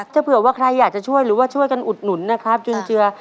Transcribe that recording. ถ้าเผื่อว่าใครอยากจะช่วยหรือว่าช่วยกันอุดหนุนนะครับจุนเจือ